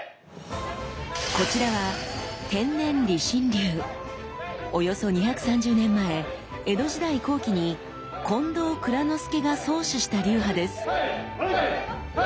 こちらはおよそ２３０年前江戸時代後期に近藤内蔵之助が創始した流派です。